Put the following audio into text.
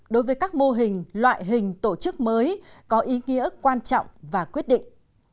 đối với các mô hình loại hình tổ chức mới có ý nghĩa quan trọng và quyết định